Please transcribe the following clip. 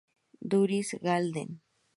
Darius Gaiden